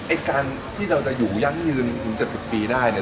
ไอ้การที่เราจะอยู่ยั่งยืนถึง๗๐ปีได้เนี่ย